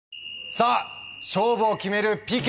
さあ勝負を決めるＰＫ。